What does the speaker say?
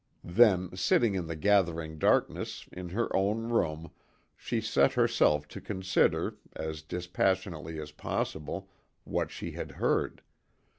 Then, sitting in the gathering darkness, in her own room, she set herself to consider, as dispassionately as possible, what she had heard.